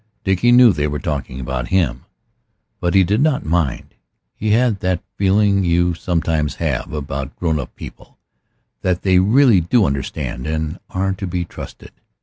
Dickie knew they were talking about him, but he did not mind. He had that feeling you sometimes have about grown up people, that they really do understand, and are to be trusted.